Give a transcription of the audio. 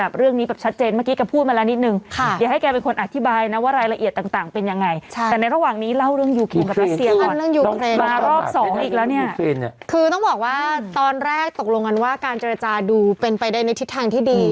คือต้องบอกว่าตอนแรกตกลงกันว่าการเจรจาดูเป็นไปได้ในทิศทางที่ดี